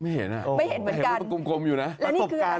ไม่เห็นอ่ะไม่เห็นเหมือนกันแล้วนี่คืออ๋อครับผม